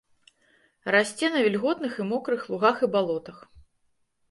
Расце на вільготных і мокрых лугах і балотах.